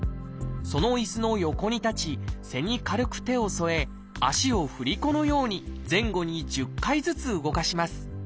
その椅子の横に立ち背に軽く手を沿え足を振り子のように前後に１０回ずつ動かします。